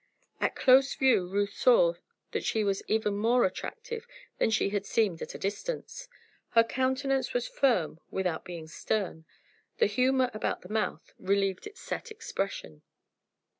At close view Ruth saw that she was even more attractive than she had seemed at a distance. Her countenance was firm without being stern the humor about the mouth relieved its set expression.